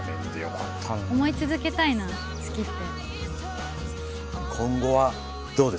思い続けたいな、好きって。